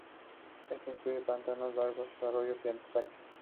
Esto incluye pantanos, lagos, arroyos y estanques.